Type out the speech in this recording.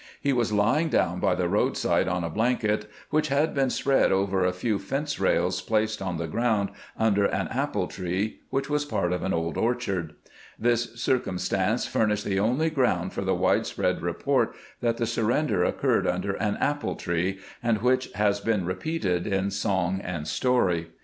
He was lying down by the roadside on a blanket which had been spread over a few fence rails placed on the ground under an apple tree which was part of an old orchard. This cir cumstance furnished the only ground for the wide spread report that the surrender occurred under an apple tree, and which has been repeated in song and story.